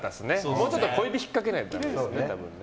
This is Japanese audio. もうちょっと小指ひっかけないとダメですね。